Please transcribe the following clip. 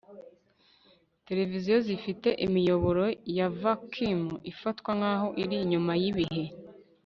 televiziyo zifite imiyoboro ya vacuum ifatwa nkaho iri inyuma yibihe